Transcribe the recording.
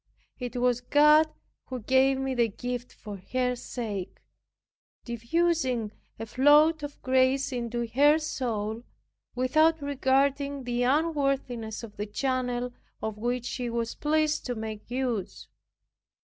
It was God who gave me the gift for her sake, diffusing a flood of grace into her soul, without regarding the unworthiness of the channel of which He was pleased to make use.